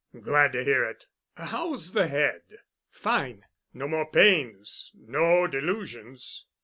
"Glad to hear it. How's the head?" "Fine." "No more pains—no delusions?"